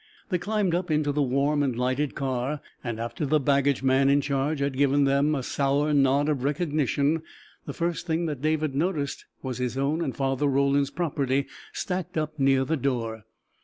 They climbed up into the warm and lighted car, and after the baggage man in charge had given them a sour nod of recognition the first thing that David noticed was his own and Father Roland's property stacked up near the door.